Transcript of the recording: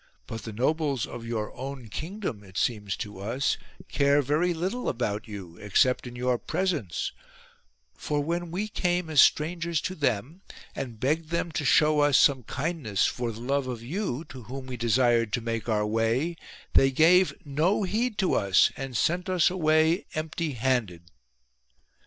But the nobles of your own kingdom, it seems to us, care very little about you except in your presence : for when we came as strangers to them, and begged them to show us some kindness for the love of you, to whom we desired to make our way, they gave no heed to us and sent us away empty handed."